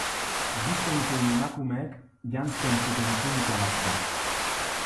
Gizon zein emakumeek janzten zuten tunika bat da.